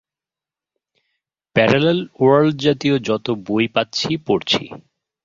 Parallel ওয়ার্ল্ডজাতীয় যত বই পাচ্ছি পড়ছি।